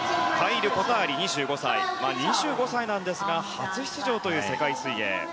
コターリは２５歳なんですが初出場という世界水泳。